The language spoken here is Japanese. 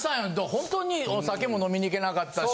ほんとにお酒も飲みに行けなかったし。